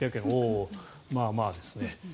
まあまあですね。